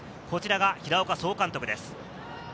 こちらが平岡総監督です。